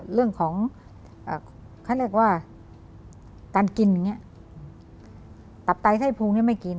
เรื่องของเขาเรียกว่าการกินอย่างนี้ตับไตไส้พุงเนี่ยไม่กิน